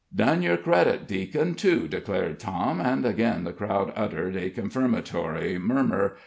"Done yer credit, deacon, too," declared Tom, and again the crowd uttered a confirmatory murmur.